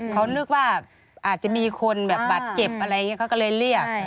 เขานึกว่าอาจจะมีคนแบบบาดเจ็บอะไรอย่างนี้เขาก็เลยเรียก